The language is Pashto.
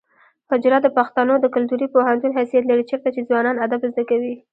حجره د پښتنو د کلتوري پوهنتون حیثیت لري چیرته چې ځوانان ادب زده کوي.